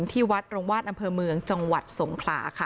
ที่วัดโรงวาดอำเภอเมืองจังหวัดสงขลาค่ะ